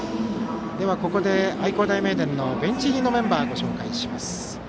では、ここで愛工大名電のベンチ入りのメンバーをご紹介します。